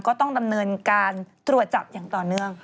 ก็ต้องดำเนินการตรวจจับอย่างต่อเนื่อง